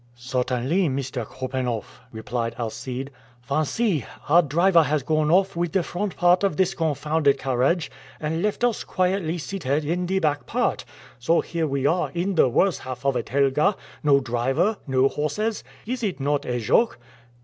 "Certainly, Mr. Korpanoff," replied Alcide. "Fancy! our driver has gone off with the front part of this confounded carriage, and left us quietly seated in the back part! So here we are in the worse half of a telga; no driver, no horses. Is it not a joke?"